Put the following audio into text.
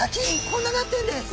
こんななってるんです！